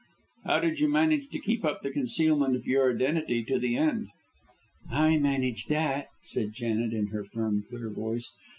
"How did you manage to keep up the concealment of your identity to the end?" "I managed that," said Janet, in her firm, clear voice.